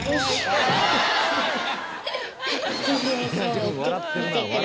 笑ってるよ。